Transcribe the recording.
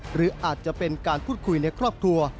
หรืออาจจะเป็นการพูดคุยในครอบครัว